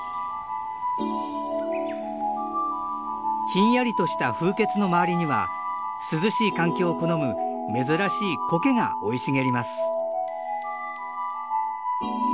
ひんやりとした風穴の周りには涼しい環境を好む珍しいコケが生い茂ります。